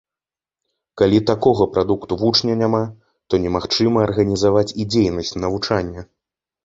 Калі такога прадукту вучня няма, то немагчыма арганізаваць і дзейнасць навучання.